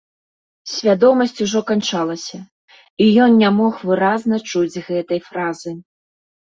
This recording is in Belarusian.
Свядомасць ужо канчалася, і ён не мог выразна чуць гэтай фразы.